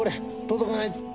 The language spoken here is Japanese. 届かない。